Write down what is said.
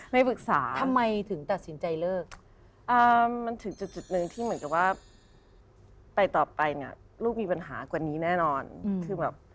แน่นอนคือแบบ